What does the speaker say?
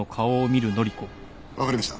わかりました。